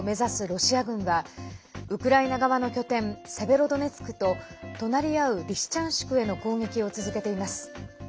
ロシア軍はウクライナ側の拠点セベロドネツクと隣り合うリシチャンシクへの攻撃を続けています。